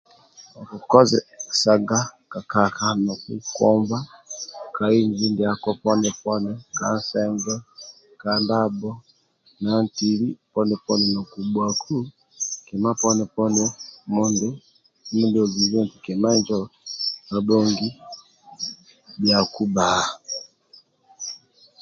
Okukozesaga kakaka nokukomba ka inji ndiako poni poni kansenge ka ndabho nantili poni poni nokubhuaku kima poni mondi mindio ozibi oti kima njo kabhongi bhaku bba